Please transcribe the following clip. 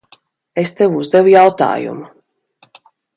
Es tev uzdevu jautājumu.